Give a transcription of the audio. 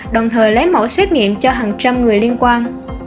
đồng thời lấy mẫu xét nghiệm cho hàng trăm người liên quan